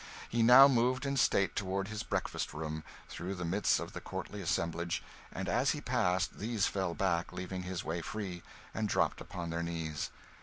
He now moved in state toward his breakfast room, through the midst of the courtly assemblage; and as he passed, these fell back, leaving his way free, and dropped upon their knees.